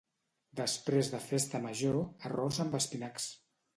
Després de festa major, arròs amb espinacs.